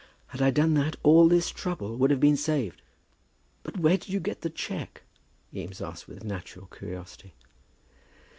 "Had I done that all this trouble would have been saved!" "But where did you get the cheque?" Eames asked with natural curiosity.